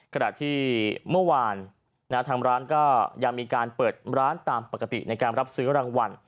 ขณะที่เมื่อวานทางร้านก็ยังมีการเปิดร้านตามปกติในการรับซื้อรางวัล